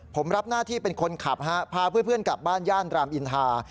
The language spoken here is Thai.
ผมรับหน้าที่เป็นคนขับฮะพาเพื่อนกลับบ้านย่านรามอินทา